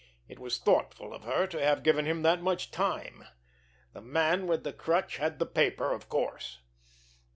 It was thoughtful of her to have given him that much time! The Man with the Crutch had the paper, of course.